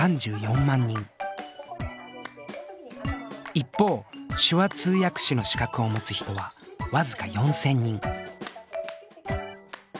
一方手話通訳士の資格を持つ人は僅か４千人。